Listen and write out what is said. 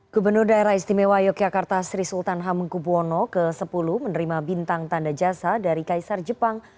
gubernur daerah istimewa yogyakarta sri sultan hamengkubwono x menerima bintang tanda jasa dari kaisar jepang